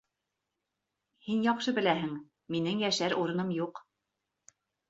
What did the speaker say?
Һин яҡшы беләһең, минең йәшәр урыным юҡ.